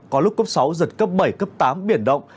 có lúc cấp sáu giật cấp bảy cấp tám biển động